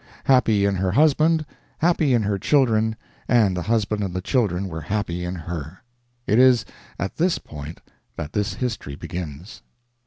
Happy in her husband, happy in her children, and the husband and the children were happy in her. It is at this point that this history begins.